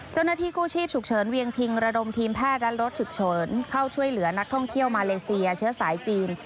เจ้าหน้าที่กู้ชีพฉุกเฉินเวียงพิงระดมทีมแพทย์และรถฉุกเฉินเข้าช่วยเหลือนักท่องเที่ยวมาเลเซียเชื้อสายจีน